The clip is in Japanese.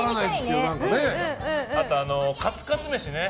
あとカツカツ飯ね。